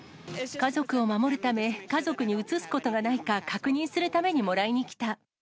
家族を守るため、家族にうつすことがないか確認するためにもらいに来た。